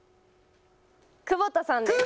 久保田さんです。